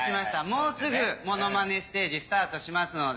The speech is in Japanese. もうすぐモノマネステージスタートしますので。